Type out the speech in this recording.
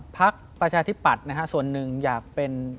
พักประชาธิปัตย์นะฮะส่วนหนึ่งอยากเป็น